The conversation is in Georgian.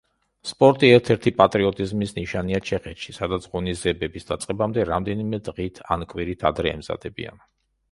სპორტი ერთ-ერთ პატრიოტიზმის ნიშანია ჩეხეთში, სადაც ღონისძიების დაწყებამდე რამდენიმე დღით ან კვირით ადრე ემზადებიან.